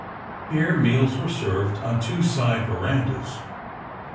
Here meals were served on the two side verandas.